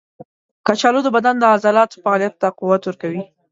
کچالو د بدن د عضلاتو فعالیت ته قوت ورکوي.